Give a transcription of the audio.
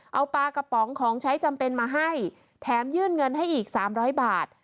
เอาปลากระป๋องของใช้จำเป็นมาให้แถมยื่นเงินให้อีก๓๐๐บาท